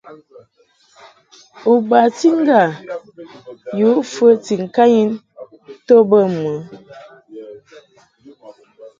U bati ŋgâ yǔ fəti ŋkanyin to bə mɨ?